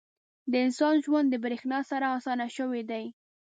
• د انسان ژوند د برېښنا سره اسانه شوی دی.